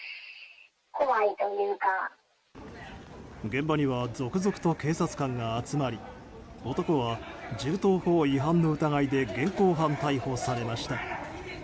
現場には続々と警察官が集まり男は銃刀法違反の疑いで現行犯逮捕されました。